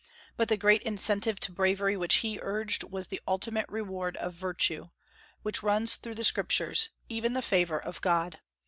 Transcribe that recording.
But the great incentive to bravery which he urged was the ultimate reward of virtue, which runs through the Scriptures, even the favor of God.